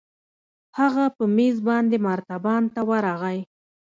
هغه په مېز باندې مرتبان ته ورغى.